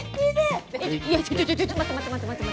ちょちょちょちょ待って待って待って待って。